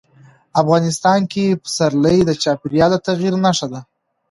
افغانستان کې پسرلی د چاپېریال د تغیر نښه ده.